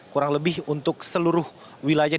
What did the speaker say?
kurang lebih untuk seluruh wilayah